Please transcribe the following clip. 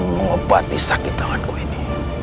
mengobati sakit tanganku ini